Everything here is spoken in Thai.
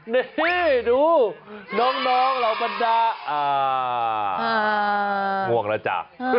นี่ดูน้องเรามาด่าอ่าง่วงแล้วจ้ะ